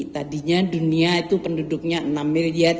tadinya dunia itu penduduknya enam miliar